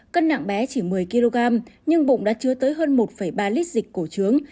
cân nặng bé chỉ một mươi kg nhưng bụng đã chứa tới hơn một ba lít dịch cổ trướng